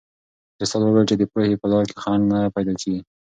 استاد وویل چې د پوهې په لار کې خنډ نه پیدا کېږي.